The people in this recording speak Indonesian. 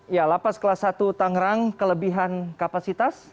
ya lapas kelas satu tangerang kelebihan kapasitas